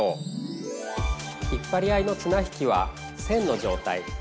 引っ張り合いのつな引きは線の状態。